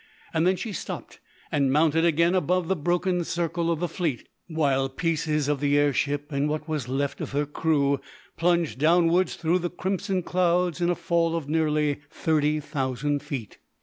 Then she stopped and mounted again above the broken circle of the fleet, while the pieces of the air ship and what was left of her crew plunged downwards through the crimson clouds in a fall of nearly thirty thousand feet.